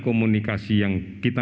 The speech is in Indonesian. untuk mungkin kehabisan kegiatan